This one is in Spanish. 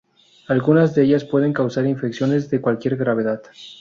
Algunas de ellas pueden causar infecciones de cualquier gravedad.